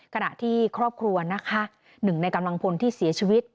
ขณะที่ครอบครัวนะคะหนึ่งในกำลังพลที่เสียชีวิต